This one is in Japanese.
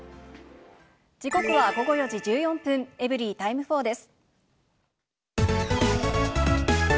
時刻は午後４時１４分、エブリィタイム４です。